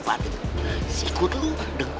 bang harus kuatan dekat